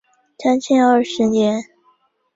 嘉庆二十年。